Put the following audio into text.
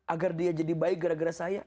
agar dia jadi baik gara gara saya